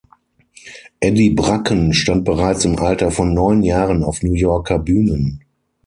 Eddie Bracken stand bereits im Alter von neun Jahren auf New Yorker Bühnen.